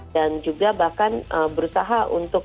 dan juga bahkan berusaha untuk